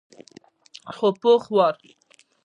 خو پوخ وار.